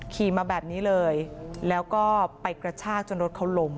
ขี่มาแบบนี้เลยแล้วก็ไปกระชากจนรถเขาล้ม